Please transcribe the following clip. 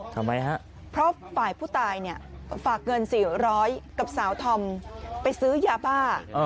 ทำไมฮะเพราะฝ่ายผู้ตายเนี่ยฝากเงิน๔๐๐กับสาวธอมไปซื้อยาบ้า